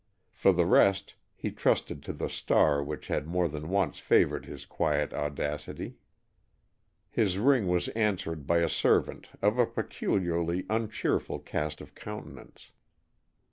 For the rest, he trusted to the star which had more than once favored his quiet audacity. His ring was answered by a servant of a peculiarly uncheerful cast of countenance.